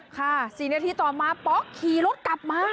๔นาทีต่อมาป๊อกขี่รถกลับมา